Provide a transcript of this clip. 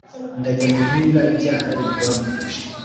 ndajya mu mpinga ibyara imibavu,